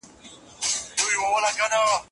دولت مخکي عوايد له لاسه ورکړي وو.